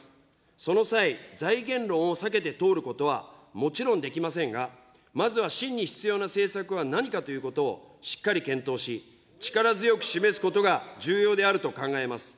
その際、財源論を避けて通ることはもちろんできませんが、まずは真に必要な政策は何かということを、しっかり検討し、力強く示すことが重要であると考えます。